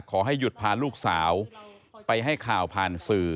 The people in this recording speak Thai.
ขอให้หยุดพาลูกสาวไปให้ข่าวผ่านสื่อ